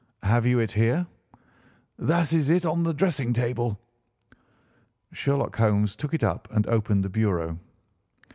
"Have you it here?" "That is it on the dressing table." Sherlock Holmes took it up and opened the bureau.